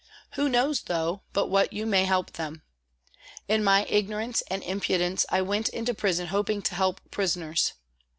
Who knows, though, but what you may help them ? In my ignorance and impudence I went into prison hoping to help prisoners.